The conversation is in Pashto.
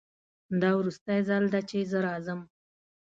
دا وروستی ځل ده چې زه راځم